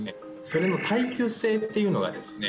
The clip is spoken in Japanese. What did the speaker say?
それの耐久性っていうのがですね